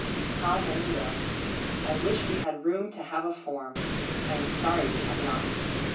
How many will? I wish we had room to have a form. I am sorry we have not.